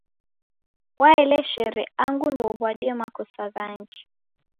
Waeleshere angu ndouw'adie makosa ghangi.